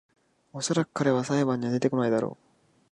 おそらく彼は裁判には出てこないだろ